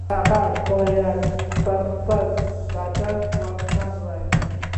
هغه باید پر خپل بدن واکمن وي.